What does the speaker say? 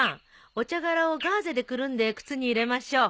お茶がらをガーゼでくるんで靴に入れましょう。